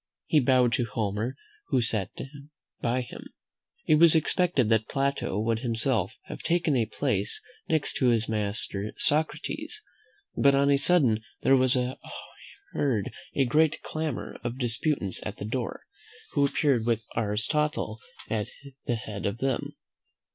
He bowed to Homer, and sat down by him. It was expected that Plato would himself have taken a place next to his master Socrates: but on a sudden there was heard a great clamour of disputants at the door, who appeared with Aristotle at the head of them.